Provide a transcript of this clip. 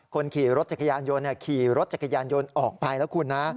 คนขี่รถจักรยานยนต์ขี่รถจักรยานยนต์ออกไปแล้วคุณนะ